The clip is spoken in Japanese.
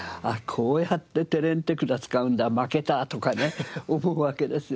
こうやって手練手管使うんだ負けた！とかね思うわけですよね。